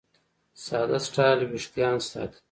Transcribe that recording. ساده سټایل وېښتيان ساتي.